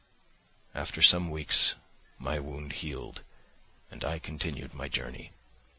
"After some weeks my wound healed, and I continued my journey.